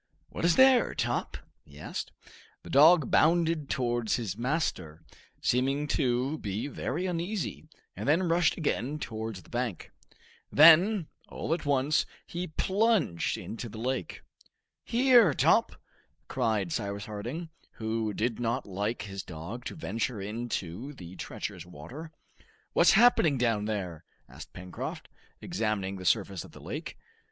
"What is there, Top?" he asked. The dog bounded towards his master, seeming to be very uneasy, and then rushed again towards the bank. Then, all at once, he plunged into the lake. "Here, Top!" cried Cyrus Harding, who did not like his dog to venture into the treacherous water. "What's happening down there?" asked Pencroft, examining the surface of the lake.